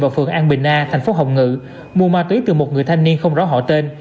và phường an bình a thành phố hồng ngự mua ma túy từ một người thanh niên không rõ họ tên